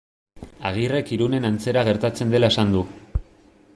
Agirrek Irunen antzera gertatzen dela esan du.